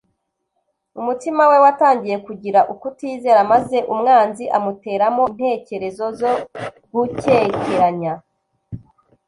umutima we watangiye kugira ukutizera, maze umwanzi amuteramo intekerezo zo gukekeranya